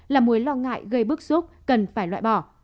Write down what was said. là mối lo ngại gây bức xúc cần phải loại bỏ